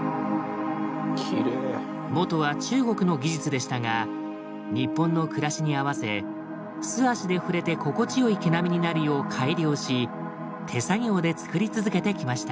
元は中国の技術でしたが日本の暮らしに合わせ素足で触れて心地よい毛並みになるよう改良し手作業でつくり続けてきました。